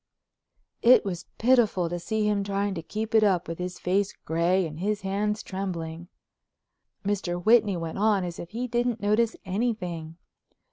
It was pitiful to see him trying to keep it up with his face gray and his hands trembling. Mr. Whitney went on as if he didn't notice anything.